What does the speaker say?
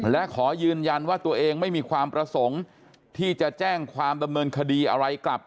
และขอยืนยันว่าตัวเองไม่มีความประสงค์ที่จะแจ้งความดำเนินคดีอะไรกลับ